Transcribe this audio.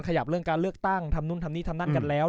เรื่องการเลือกตั้งทำนู่นทำนี่ทำนั่นกันแล้ว